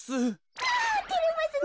うわてれますね